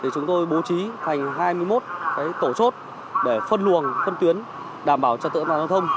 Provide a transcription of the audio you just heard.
chúng tôi bố trí thành hai mươi một tổ chốt để phân luồng phân tuyến đảm bảo trật tượng giao thông